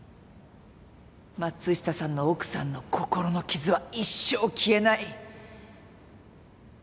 松下さんの奥さんの心の傷は一生消えない。